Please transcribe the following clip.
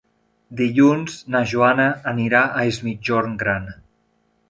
Dilluns na Joana anirà a Es Migjorn Gran.